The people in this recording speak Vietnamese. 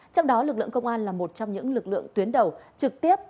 trong đó lực lượng công an là một trong những lực lượng tuyến đầu trực tiếp